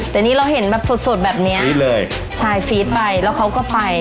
แต่นี่เราเห็นแบบสดแบบนี้ใช่ฟีดไปแล้วเขาก็ไป